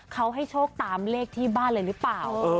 เขาให้โชคตามเลขที่บ้านเลยหรือเปล่า